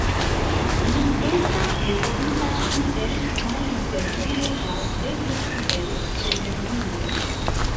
Li estas vestita kiel malliberulo aŭ eble kiel frenezulo.